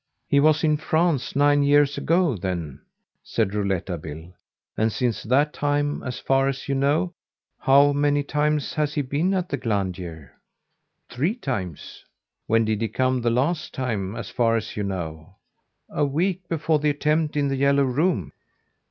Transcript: "He was in France nine years ago, then," said Rouletabille, "and, since that time, as far as you know, how many times has he been at the Glandier?" "Three times." "When did he come the last time, as far as you know?" "A week before the attempt in "The Yellow Room"."